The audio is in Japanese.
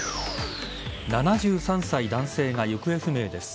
７３歳男性が行方不明です。